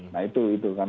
nah itu itu kan